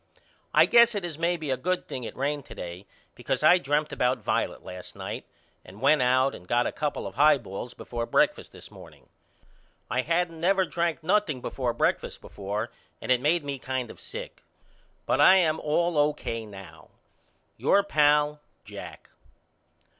I guess it is maybe a good thing it rained to day because I dreamt about Violet last night and went out and got a couple of high balls before breakfast this morning. I hadn't never drank nothing before breakfast before and it made me kind of sick. But I am all O.K. now. Your pal, JACK.